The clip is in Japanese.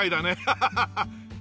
ハハハハ！